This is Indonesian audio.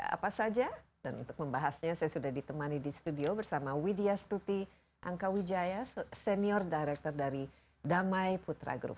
apa saja dan untuk membahasnya saya sudah ditemani di studio bersama widya stuti angkawijaya senior director dari damai putra group